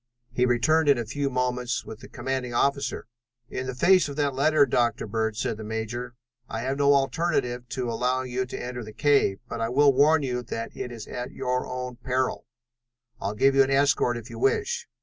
He returned in a few moments with the commanding officer. "In the face of that letter, Dr. Bird," said the major, "I have no alternative to allowing you to enter the cave, but I will warn you that it is at your own peril. I'll give you an escort, if you wish."